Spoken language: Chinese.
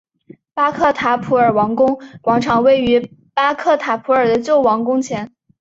巴克塔普尔王宫广场位于巴克塔普尔的旧王宫前。